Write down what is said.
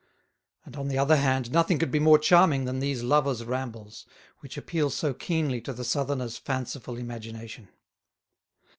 And, on the other hand, nothing could be more charming than these lovers' rambles, which appeal so keenly to the Southerner's fanciful imagination.